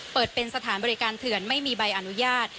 เปิดเป็นสถานบริการเถื่อนไม่มีใบอนุญาต